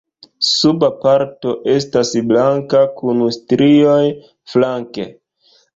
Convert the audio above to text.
Suba parto esta blanka kun strioj flanke.